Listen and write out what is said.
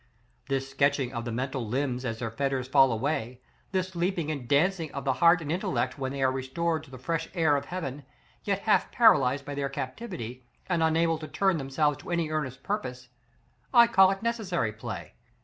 This sketching of the mental limbs as their fetters fall away, this leaping and dancing of the heart and intellect, when they are restored to the fresh air of heaven, yet half paralyzed by their captivity, and unable to turn themselves to any earnest purpose, I call necessary play.